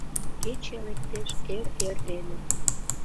Кече лектеш эр-эрдене —